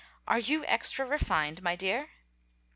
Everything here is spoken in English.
Are you extra refined, my dear?"